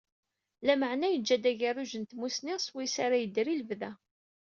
Lameεna yeǧǧa-d agerruj n tmussni, swayes ara yedder i lebda.